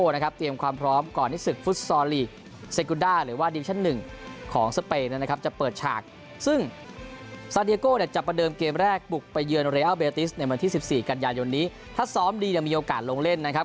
ในวันที่๑๔กันยานยนนี้ถ้าซ้อมดีมีโอกาสลงเล่นนะครับ